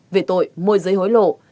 về tội môi giấy hối lộ